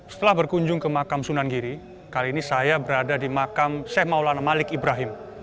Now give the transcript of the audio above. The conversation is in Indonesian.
setelah berkunjung ke makam sunan giri kali ini saya berada di makam sheikh maulana malik ibrahim